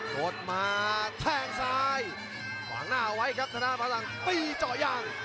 ตดมาแท่งซ้ายหวังหน้าเอาไว้ครับทางหน้าพระสังค์ปีจ่อยยาง